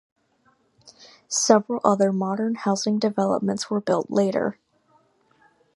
Several other modern housing developments were built later.